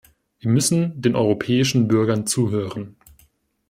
Wir müssen den europäischen Bürgern zuhören.